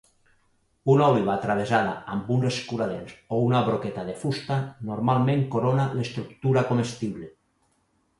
Una oliva travessada amb un escuradents o una broqueta de fusta normalment corona l'estructura comestible.